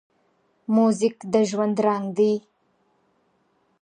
موزیک د ژوند رنګ دی.